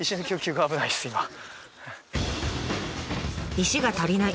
石が足りない。